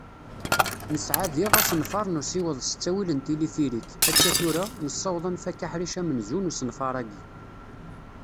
Nesɛa diɣ asenfar n usiweḍ s ttawil n tilifirik. Akka tura, nessaweḍ ad nfak aḥric amenzu n usenfar-agi